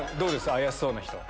怪しそうな人は？